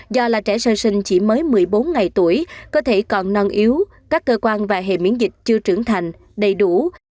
do là trẻ sơ sinh chỉ mới một mươi bốn ngày tuổi có thể còn non yếu các cơ quan và hệ miễn dịch chưa trưởng thành đầy đủ